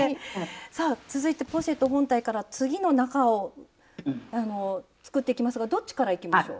さあ続いてポシェット本体から次の中を作っていきますがどっちからいきましょう？